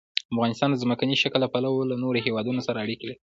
افغانستان د ځمکنی شکل له پلوه له نورو هېوادونو سره اړیکې لري.